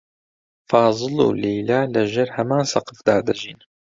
فازڵ و لەیلا لەژێر هەمان سەقفدا دەژیان.